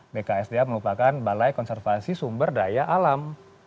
bksda merupakan balai konservasi sumber daya alam